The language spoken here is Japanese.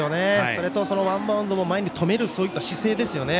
それと、ワンバウンドも前に止める姿勢ですよね。